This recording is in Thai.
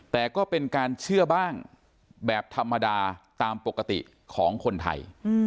แต่ก็เป็นการเชื่อบ้างแบบธรรมดาตามปกติของคนไทย